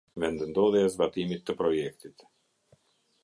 Vendndodhja e zbatimit të projektit.